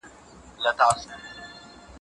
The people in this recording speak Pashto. په ښوونځي کي باید نظم او ډسپلین موجود وي.